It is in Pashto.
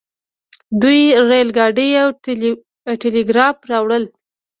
دوی ریل ګاډی او ټیلیګراف راوړل.